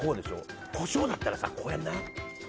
コショウだったらこうやらない？